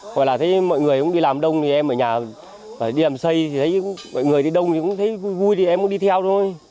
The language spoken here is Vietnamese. hoặc là thấy mọi người cũng đi làm đông thì em ở nhà đi làm xây mọi người đi đông thì cũng thấy vui vui thì em cũng đi theo thôi